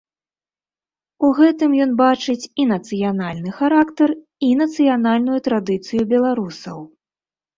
У гэтым ён бачыць і нацыянальны характар, і нацыянальную традыцыю беларусаў.